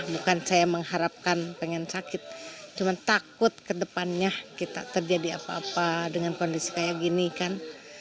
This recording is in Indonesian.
bukan saya mengharapkan pengen sakit cuma takut kedepannya kita terjadi apa apa dengan kondisi kayak gini kan